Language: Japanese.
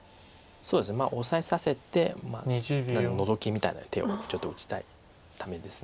そうですね。オサえさせてノゾキみたいな手をちょっと打ちたいためです。